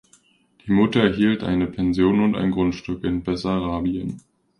Die Mutter erhielt eine Pension und ein Grundstück in Bessarabien.